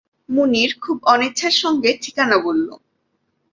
মুনির খুব অনিচ্ছার সঙ্গে ঠিকানা বলল।